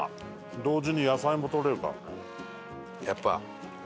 同時に野菜もとれるからね。